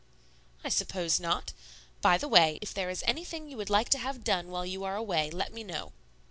"I suppose not. By the way, if there is anything you would like to have done while you are away, let me know."